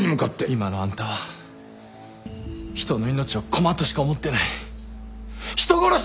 今のあんたは人の命を駒としか思ってない人殺しだ！